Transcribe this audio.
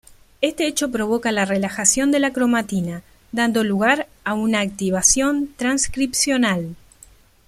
Este hecho provoca la relajación de la cromatina, dando lugar a una activación transcripcional.